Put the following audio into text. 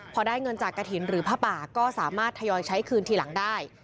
พอได้เงินจากกระถิ่นหรือผ้าป่าก็สามารถทยอยใช้คืนทีหลังได้